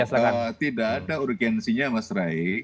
kalau pan itu tidak ada urgensinya mas ray